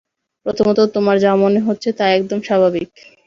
প্রথমত, তোমার যা মনেহচ্ছে তা একদম স্বাভাবিক।